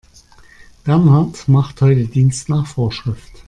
Bernhard macht heute Dienst nach Vorschrift.